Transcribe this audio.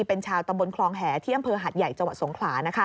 เป็นชาวตำบลคลองแห่ที่อำเภอหัดใหญ่จังหวัดสงขลา